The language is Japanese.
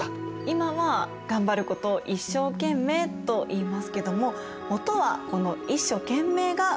今は頑張ることを「一生懸命」といいますけどももとはこの「一所懸命」が由来だったんですね。